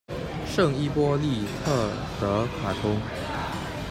圣伊波利特德卡通。